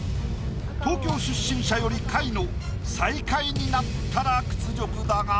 東京出身者より下位の最下位になったら屈辱だが。